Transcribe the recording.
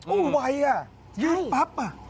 อู้วไวอ่ะยืนปั๊บอ่ะ